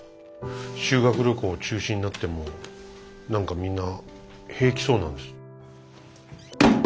修学旅行中止になっても何かみんな平気そうなんです。